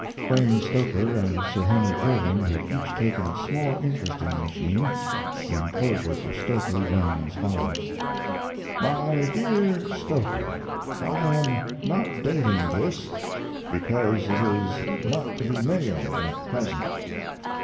[Brain Stoker and Sir Henry Irving had each taken a small interest in the machine. The inclosure for Stoker ran as follows:] MY DEAR STOKER, I am not dating this, because it is not to be mailed at present.